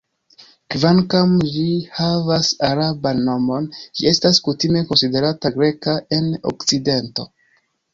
Kvankam ĝi havas araban nomon, ĝi estas kutime konsiderata greka en Okcidento.